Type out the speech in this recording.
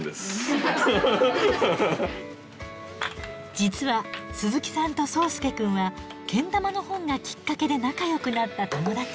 実は鈴木さんと想亮くんはけん玉の本がきっかけで仲よくなった友達。